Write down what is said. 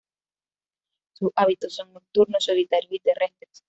Sus hábitos son nocturnos, solitarios y terrestres.